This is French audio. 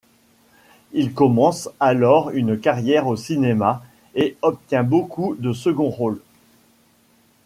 Il commence alors une carrière au cinéma et obtient beaucoup de seconds rôles.